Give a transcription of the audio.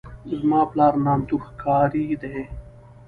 زما پلار نامتو ښکاري دی.